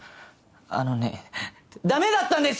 あのねダメだったんです！